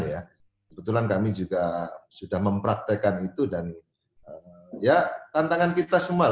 kebetulan kami juga sudah mempraktekkan itu